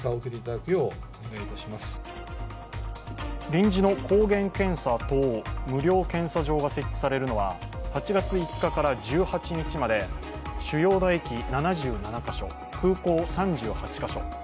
臨時の抗原検査等無料検査場が設置されるのは８月５日から１８日まで主要な駅７７カ所、空港３８カ所。